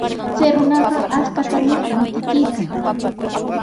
Chay runaqa akshutami rantikuykan.